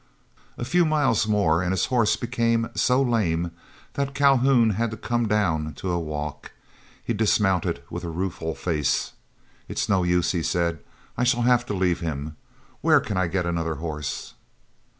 A few miles more and his horse became so lame that Calhoun had to come down to a walk. He dismounted with a ruthful face. "It's no use," he said; "I shall have to leave him. Where can I get another horse?"